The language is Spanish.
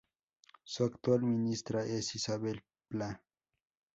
Su actual ministra es Isabel Plá.